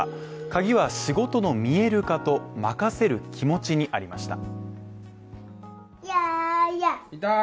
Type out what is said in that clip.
鍵は仕事の見える化と任せる気持ちにありました。